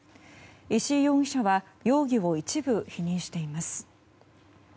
石井容疑者は容疑を一部否認しています。